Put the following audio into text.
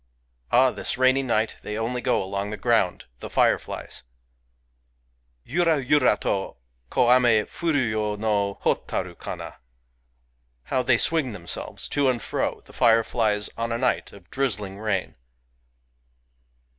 Ah! this rainy night they only go along the ground, — the fireflies ! Yura yura to Ko ame furu yo no Hotaru kana! How they swing themselves, to and fro, the fireflies, on a night of drizzling rain